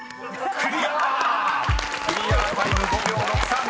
［クリアタイム５秒６３］